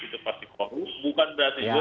itu pasti korup bukan berarti juga